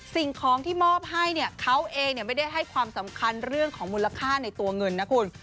สิ่งของที่มอบให้เนี่ยเขาเองไม่ได้ให้ความสำคัญเรื่องของมูลค่าในตัวเงินนะคุณ